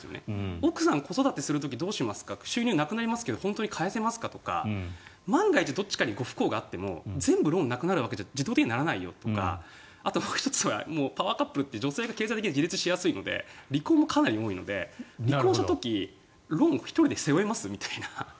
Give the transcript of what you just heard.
奥さん、子育てする時どうしますか収入なくなりますけど本当に買えますかとか万が一、どっちかにご不幸があっても全部、ローンがなくなるわけじゃないよとかあと、もう１つはパワーカップルって女性が経済的に自立しやすいので離婚もかなり多いので離婚した時、ローン１人で背負えます？みたいな。